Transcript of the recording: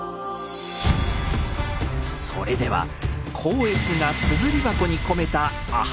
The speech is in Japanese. それでは光悦が「硯箱」に込めたアハ